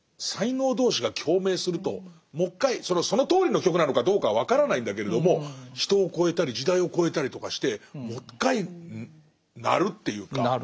才能同士が共鳴するともう１回そのとおりの曲なのかどうかは分からないんだけれども人を超えたり時代を超えたりとかしてもう１回鳴るっていうか。